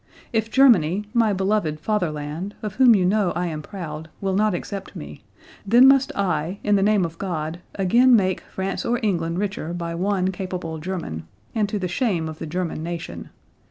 If Germany, my beloved fatherland, of whom you know I am proud, will not accept me, then must I, in the name of God, again make France or England richer by one capable German; and to the shame of the German nation.